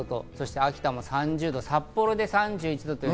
秋田も３０度、札幌で３１度。